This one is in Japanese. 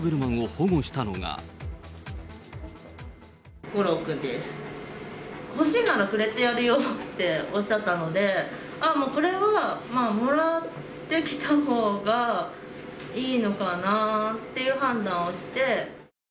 欲しいならくれてやるよっておっしゃったので、ああ、もうこれは、もらってきたほうがいいのかなっていう判断をして。